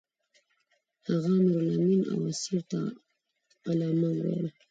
هغه نورالامین او اسیر ته علامه ویل.